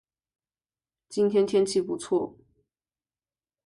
今天天气不错